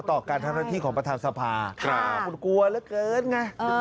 ต่อการทำหน้าที่ของประธานสภาคุณกลัวเหลือเกินไง